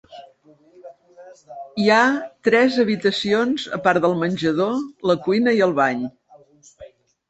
Hi ha tres habitacions, a part del menjador, la cuina i el bany.